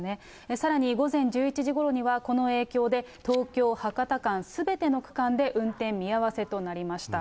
さらに午前１１時ごろには、この影響で、東京・博多間すべての区間で運転見合わせとなりました。